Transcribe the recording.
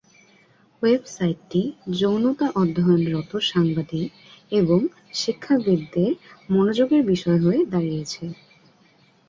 ওয়েবসাইটটি যৌনতা অধ্যয়নরত সাংবাদিক এবং শিক্ষাবিদদের মনোযোগের বিষয় হয়ে দাঁড়িয়েছে।